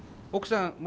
奥さん